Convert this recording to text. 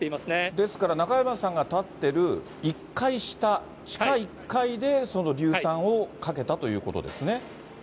ですから中山さんが立ってる１階下、地下１階で、その硫酸をかけたということですね。